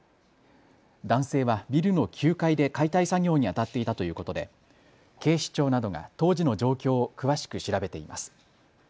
男性はビルの９階で解体作業にあたっていたということで警視庁などが当時の状況を詳しく調べています。